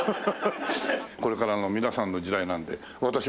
これから皆さんの時代なので私